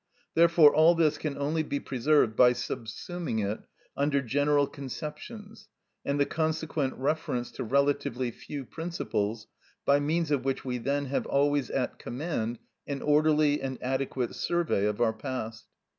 Therefore all this can only be preserved by subsuming it under general conceptions, and the consequent reference to relatively few principles, by means of which we then have always at command an orderly and adequate survey of our past.